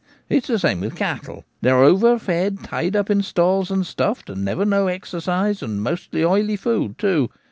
It's the same with cattle ; they're overfed, tied up in stalls and stuffed, and never no exercise, and mostly oily food too.